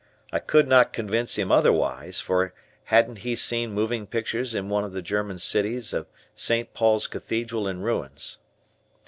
I could not convince him otherwise, for hadn't he seen moving pictures in one of the German cities of St. Paul's Cathedral in ruins.